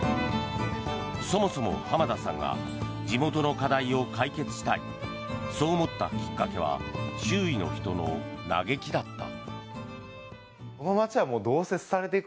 そもそも濱田さんが地元の課題を解決したいそう思ったきっかけは周囲の人の嘆きだった。